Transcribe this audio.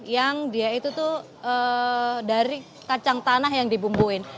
yang dia itu tuh dari kacang tanah yang dibumbuin